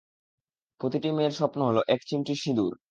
প্রতিটি মেয়ের স্বপ্ন হলো, এক চিমটি সিদুর।